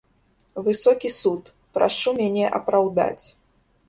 Высокі суд, прашу мяне апраўдаць.